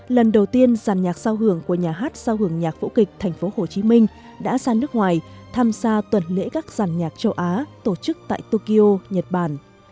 lần đầu tiên giả nhạc giao hưởng của nhà hát giao hưởng nhạc vũ kịch thành phố hồ chí minh đã sang nước ngoài tham gia tuần lễ các giả nhạc châu á tổ chức tại tokyo nhật bản